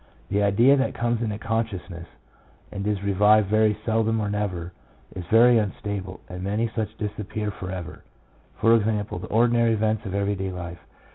The idea that comes into consciousness, and is revived very seldom or never, is very unstable, and many such disappear for ever — for example, the ordinary events of every day life.